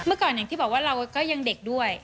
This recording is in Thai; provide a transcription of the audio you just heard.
ก่อนอย่างที่บอกว่าเราก็ยังเด็กด้วย